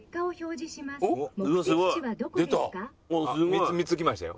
３つ３つきましたよ。